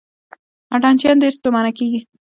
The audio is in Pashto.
اتڼ چیان ډېر ستومانه کیږي.